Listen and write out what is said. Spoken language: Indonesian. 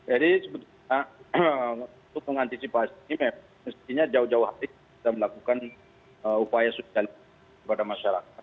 jadi sebetulnya untuk mengantisipasi mestinya jauh jauh hati kita melakukan upaya sudi dan